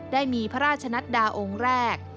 ได้มีพระราชนัดดาองค์แรก